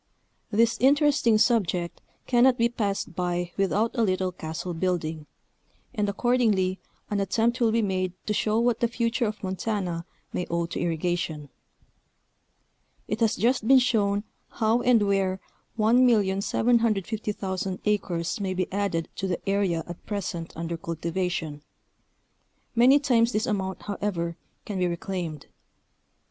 This interesting subject cannot be passed by without a little castle building, and accordingly an attempt will be made to show what the future of Montana may owe to irrigation. It has just been shown how and where 1,750,000 acres may be added to the area at present under cultivation ; many times this amount, however, can be reclaimed.